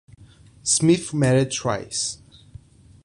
Smith married twice.